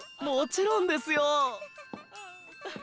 もちろんですよ！